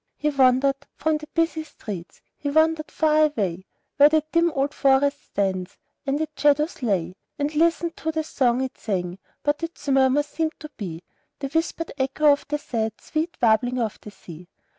He wandered from the busy streets, he wandered far away, To where the dim old forest stands, and in its shadows lay, And listened to the song it sang; but its murmurs seemed to be The whispered echo of the sad, sweet warbling of the sea.